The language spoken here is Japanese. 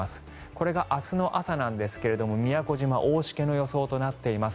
これが明日の朝なんですが宮古島、大しけの予想となっています。